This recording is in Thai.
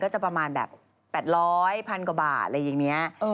จะประมาณแบบ๘๐๐๑๐๐กว่าบาทอะไรอย่างนี้